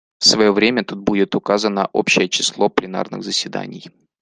В свое время тут будет указано общее число пленарных заседаний.